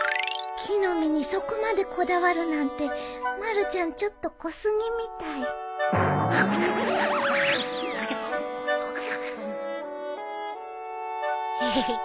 木の実にそこまでこだわるなんてまるちゃんちょっと小杉みたいヘヘヘッ。